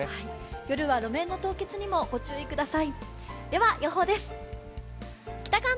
夜は路面の凍結にもご注意ください。